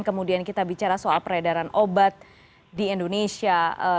kemudian kita bicara soal peredaran obat di indonesia